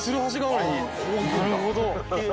なるほど。